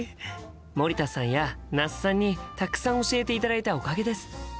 森田さんや那須さんにたくさん教えていただいたおかげです。